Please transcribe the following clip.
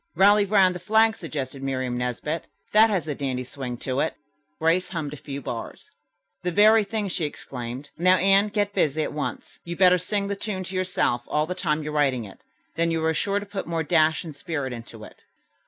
"'Rally Round the Flag,'" suggested Miriam Nesbit. "That has a dandy swing to it." Grace hummed a few bars. "The very thing," she exclaimed. "Now, Anne, get busy at once. You'd better sing the tune to yourself all the time you're writing it, then you'll be sure to put more dash and spirit into it."